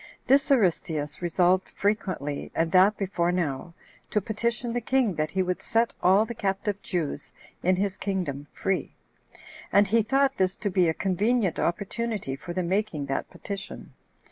This Aristeus resolved frequently, and that before now, to petition the king that he would set all the captive Jews in his kingdom free; and he thought this to be a convenient opportunity for the making that petition.